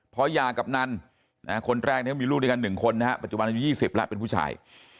พอหย่ากับนันคนแรกนี้มีลูกด้วยกัน๑คนนะฮะปัจจุบันอายุ๒๐แล้วเป็นผู้ชาย